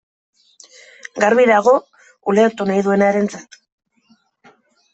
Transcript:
Garbi dago, ulertu nahi duenarentzat.